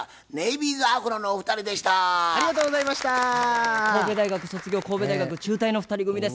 神戸大学卒業神戸大学中退の２人組です。